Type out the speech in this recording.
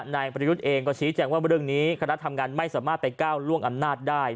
นายประยุทธ์เองก็ชี้แจงว่าเรื่องนี้คณะทำงานไม่สามารถไปก้าวล่วงอำนาจได้